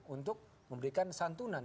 untuk memberikan santunan